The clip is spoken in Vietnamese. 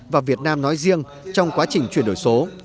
và việt nam nói riêng trong quá trình chuyển đổi số